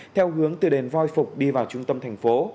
theo hướng từ đền voi phục đi vào trung tâm thành phố